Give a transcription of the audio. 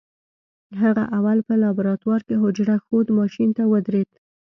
هغه اول په لابراتوار کې حجره ښود ماشين ته ودرېد.